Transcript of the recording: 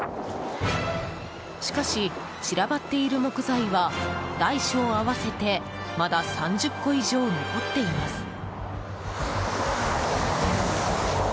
しかし、散らばっている木材は大小合わせてまだ３０個以上残っています。